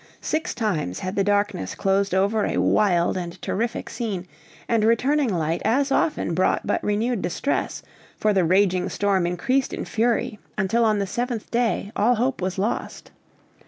Six times had the darkness closed over a wild and terrific scene, and returning light as often brought but renewed distress, for the raging storm increased in fury until on the seventh day all hope was lost.